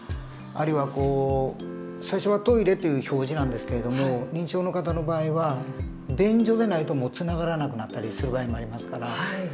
あるいは最初は「トイレ」という表示なんですけれども認知症の方の場合は「便所」でないともうつながらなくなったりする場合もありますから。